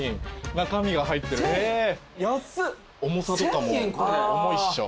重さとかも重いっしょ。